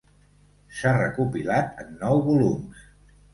S'ha recopilat en nou volums.